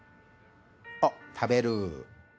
おっ食べる。